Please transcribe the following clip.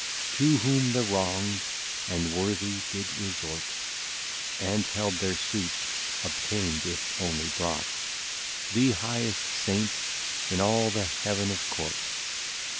To whom the Wrong'd, and Worthy did resort, } And held their Sutes obtain'd, if only brought; } The highest Saint in all the Heav'n of Court.